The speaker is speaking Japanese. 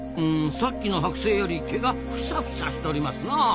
さっきのはく製より毛がフサフサしとりますなあ。